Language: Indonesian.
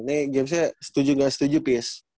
ini gamesnya setuju ga setuju please